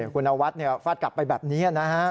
คุณนวัดฟาดกลับไปแบบนี้นะฮะ